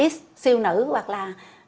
ba x siêu nữ hoặc là